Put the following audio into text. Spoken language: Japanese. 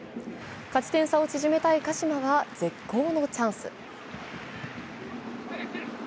勝ち点差を縮めたい鹿島は絶好のチャンス。